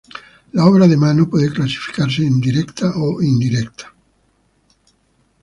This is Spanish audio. La obra de mano puede clasificarse en directa o indirecta.